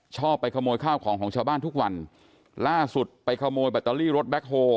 ชอบไปขโมยข้าวของของชาวบ้านทุกวันล่าสุดไปขโมยแบตเตอรี่รถแบ็คโฮ